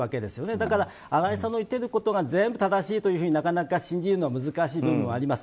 だから、新井さんの言ってることが全部正しいとはなかなか信じるのは難しい部分はあります。